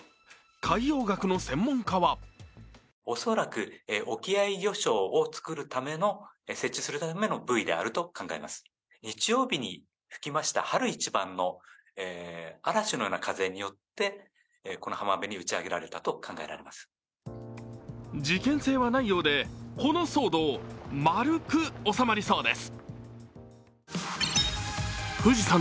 海洋学の専門家は事件性はないようで、この騒動、丸く収まりそうです。